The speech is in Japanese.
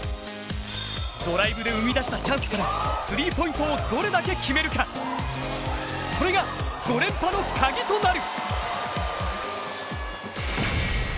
ドライブで生み出したチャンスからスリーポイントをどれだけ決めるかそれが５連覇のカギとなる。